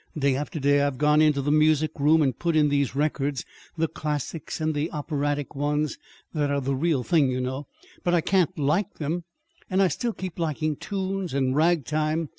Day after day I've gone into the music room and put in those records, the classics and the operatic ones that are the real thing, you know, but I can't like them; and I still keep liking tunes and ragtime.